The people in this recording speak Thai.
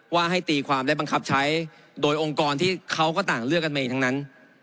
ว่าให้ตีความและบังคับใช้โดยองค์กรที่เขาก็ต่างเลือกกันมาเองทั้งนั้น